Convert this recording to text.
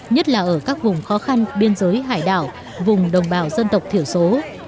nhất là ở các vùng khó khăn biên giới hải đảo vùng đồng bào dân tộc thiểu số